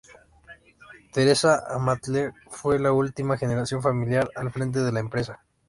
Teresa Amatller fue la última generación familiar al frente de la empresa.